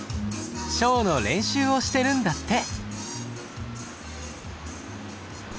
ショーの練習をしてるんだって。